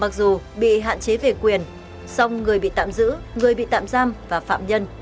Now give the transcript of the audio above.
mặc dù bị hạn chế về quyền song người bị tạm giữ người bị tạm giam và phạm nhân